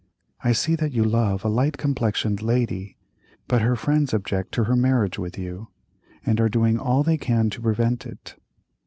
I see that you love a light complexioned lady, but her friends object to her marriage with you, and are doing all they can to prevent it.